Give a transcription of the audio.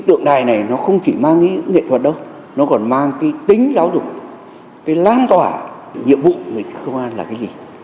tượng đài này không chỉ mang nghệ thuật đâu nó còn mang tính giáo dục lan tỏa nhiệm vụ của công an là cái gì